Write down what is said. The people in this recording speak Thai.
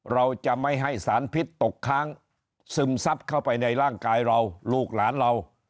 เราจะไม่ให้สารพิษตกค้างซึมซับเข้าไปในร่างกายเราลูกหลานเรา